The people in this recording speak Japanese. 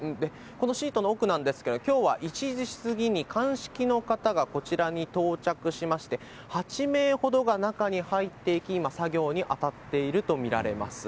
このシートの奥なんですが、きょうは１時過ぎに鑑識の方がこちらに到着しまして、８名ほどが中に入っていき、今、作業に当たっていると見られます。